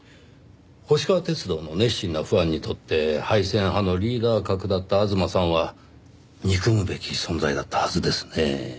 星川鐵道の熱心なファンにとって廃線派のリーダー格だった吾妻さんは憎むべき存在だったはずですねぇ。